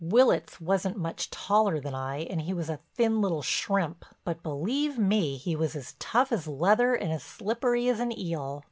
Willitts wasn't much taller than I and he was a thin little shrimp, but believe me, he was as tough as leather and as slippery as an eel.